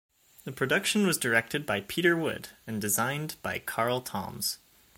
The production was directed by Peter Wood and designed by Carl Toms.